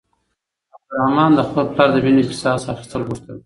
عبدالرحمن د خپل پلار د وينو قصاص اخيستل غوښتل.